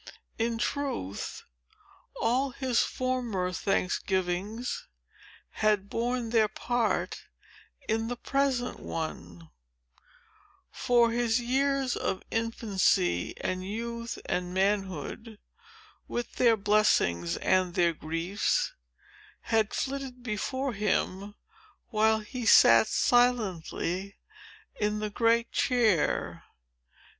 In truth, all his former Thanksgivings had borne their part in the present one; for, his years of infancy, and youth, and manhood with their blessings and their griefs, had flitted before him, while he sat silently in the great chair.